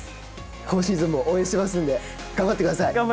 今シーズンも応援していますんで、頑張ってください。